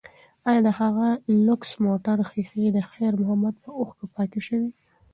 ایا د هغه لوکس موټر ښیښې د خیر محمد په اوښکو پاکې شوې؟